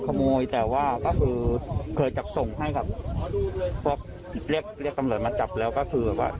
ขโมยแต่ว่าก็คือเคยจับส่งให้กับพวกเรียกเรียกตำรวจมาจับแล้วก็คือว่า